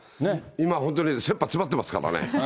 今、本当に切羽詰まってますからね。